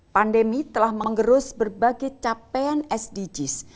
pandemi telah mengerus berbagai capaian sdgs